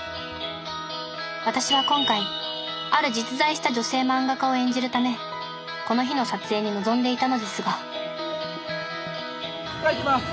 私は今回ある実在した女性漫画家を演じるためこの日の撮影に臨んでいたのですがはいいきます。